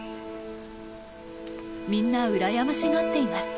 みんな羨ましがっています。